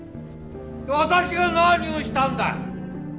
私が何をしたんだ！